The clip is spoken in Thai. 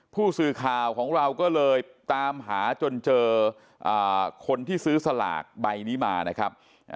ผู้สื่อข่าวของเราก็เลยตามหาจนเจอคนที่ซื้อสลากใบนี้มานะครับ